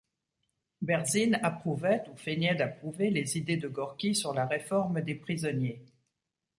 Berzine approuvait ou feignait d'approuver les idées de Gorki sur la réforme des prisonniers.